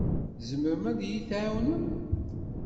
Tzemrem ad iyi-tɛawnem?